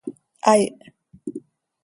¡Aih!